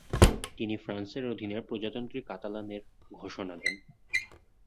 তিনি ফ্রান্সের অধীনে প্রজাতন্ত্রী কাতালান-এর ঘোষণা দেন।